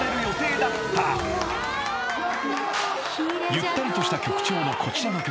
［ゆったりとした曲調のこちらの曲］